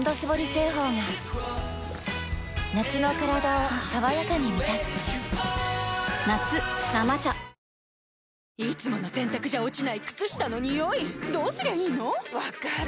製法が夏のカラダを爽やかに満たす夏「生茶」いつもの洗たくじゃ落ちない靴下のニオイどうすりゃいいの⁉分かる。